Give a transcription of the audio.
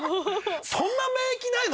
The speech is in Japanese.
そんな免疫ないの？